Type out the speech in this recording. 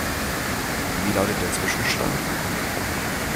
Wie lautet der Zwischenstand?